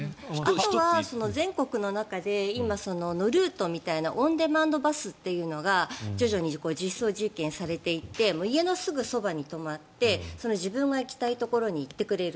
あとは全国の中でノルートみたいなオンデマンドバスというのが徐々に実証実験されていて家のすぐそばに止まって自分が行きたいところに行ってくれる。